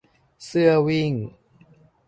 เสื้อวิ่ง